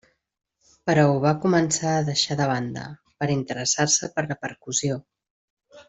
Però ho va començar a deixar de banda, per interessar-se per la percussió.